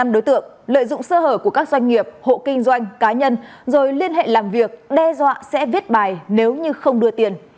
năm đối tượng lợi dụng sơ hở của các doanh nghiệp hộ kinh doanh cá nhân rồi liên hệ làm việc đe dọa sẽ viết bài nếu như không đưa tiền